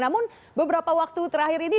namun beberapa waktu terakhir ini